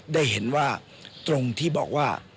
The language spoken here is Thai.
ได้เห็นว่าตรงที่บอกว่า